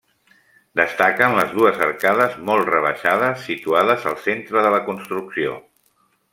Destaquen les dues arcades molt rebaixades situades al centre de la construcció.